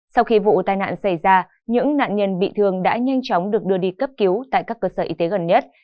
sau khi vụ tai nạn xảy ra những nạn nhân bị thương đã nhanh chóng được đưa đi cấp cứu tại các cơ sở y tế gần nhất